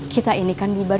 kita ini kan di bar